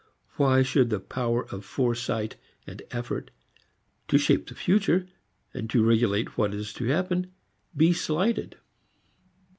Why should the power of foresight and effort to shape the future, to regulate what is to happen, be slighted?